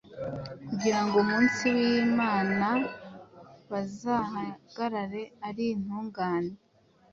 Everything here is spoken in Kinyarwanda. kugira ngo ku munsi w’Imana bazahagarare ari intungane.